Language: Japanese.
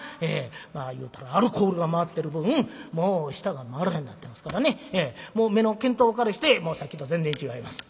まあ言うたらアルコールが回ってる分もう舌が回らへんなってますからねもう目の見当からしてもうさっきと全然違います。